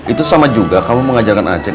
itu sama juga kamu mau ngajarkan anceng